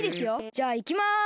じゃあいきます。